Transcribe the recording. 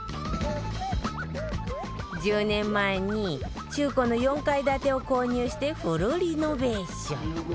１０年前に中古の４階建てを購入してフルリノベーション。